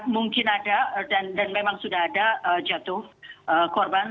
mungkin ada dan memang sudah ada jatuh korban